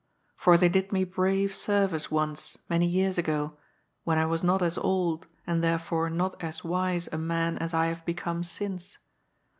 For they did me brave serv ice once, many years ago, when I was not as old, and there fore not as wise, a man as I have become since.